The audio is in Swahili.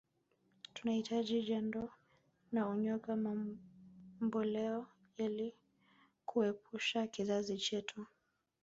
Tunahitaji Jando na Unyago mamboleo Ili kuepusha kizazi chetu